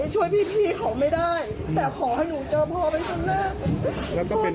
ช่วยพี่พี่เขาไม่ได้แต่ขอให้หนูเจอพ่อไปก่อนหน้า